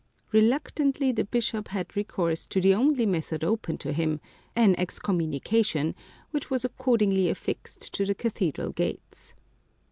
Reluctantly, the bishop had recourse to the only method open to him, an excommunication, which was accordingly affixed to the cathedral gates.